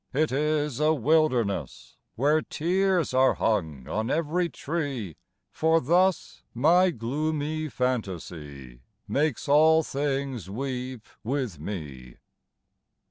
it is a wilderness, Where tears are hung on every tree; For thus my gloomy phantasy Makes all things weep with me!